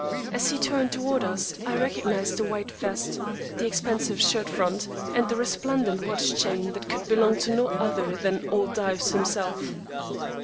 As he turned toward us I recognized the white vest, the expansive shirt front, and the resplendent watch chain that could belong to no other than "old Dives" himself.